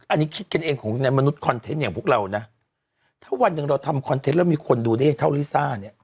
อันนี้คิดกันเองของในมนุษยคอนเทนต์อย่างพวกเรานะถ้าวันหนึ่งเราทำคอนเทนต์แล้วมีคนดูได้เท่าลิซ่าเนี่ย